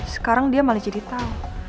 sekarang dia malah jadi tahu